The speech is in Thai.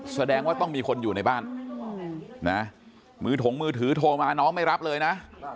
แสดงว่าต้องมีคนอยู่ในบ้านนะมือถงมือถือโทรมาน้องไม่รับเลยนะ